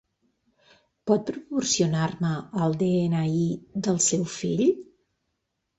Pot proporcionar-me el de-ena-i del seu fill?